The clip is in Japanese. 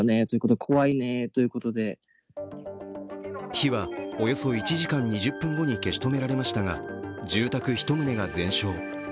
火はおよそ１時間２０分後に消し止められましたが住宅１棟が全焼。